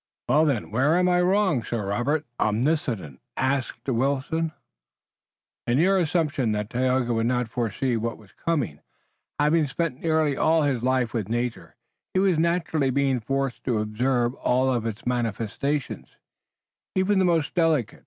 "Well, then, wherein am I wrong, Sir Robert the Omniscient?" asked Wilton. "In your assumption that Tayoga would not foresee what was coming. Having spent nearly all his life with nature he has naturally been forced to observe all of its manifestations, even the most delicate.